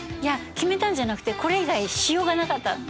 決めたんじゃなくてこれ以外しようがなかった。